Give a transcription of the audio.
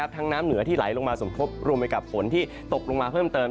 น้ำเหนือที่ไหลลงมาสมทบรวมไปกับฝนที่ตกลงมาเพิ่มเติม